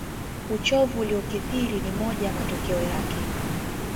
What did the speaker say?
Uchovu uliokithiri ni moja ya matokeo yake